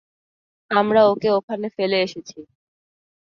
আমরা ওকে ওখানে ফেলে এসেছি।